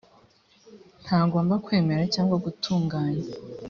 ntagomba kwemera cyangwa gutunganya